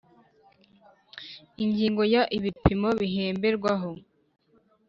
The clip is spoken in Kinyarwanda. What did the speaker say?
ingingo ya ibipimo bihemberwaho